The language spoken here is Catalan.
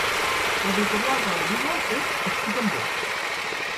L'editorial de la Lliga és Steven Books.